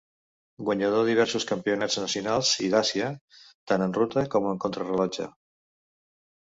Guanyador de diversos campionats nacionals i d'Àsia, tant en ruta com en contrarellotge.